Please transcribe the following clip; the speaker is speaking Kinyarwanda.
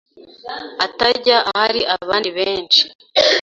atajya ahari abandi benshi